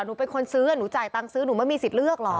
หนูเป็นคนซื้อหนูจ่ายตังค์ซื้อหนูไม่มีสิทธิ์เลือกหรอก